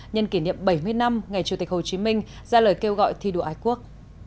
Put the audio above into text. nhân kỷ niệm bảy mươi năm ngày chủ tịch hồ chí minh ra lời kêu gọi thi đua ái quốc